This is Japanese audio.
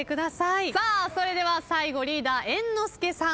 それでは最後リーダー猿之助さん。